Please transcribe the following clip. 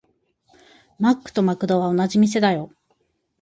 マックとマクドは同じ店だよ。